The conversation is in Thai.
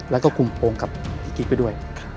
แล้วก็คุมโองกับพี่กิ๊กไปด้วย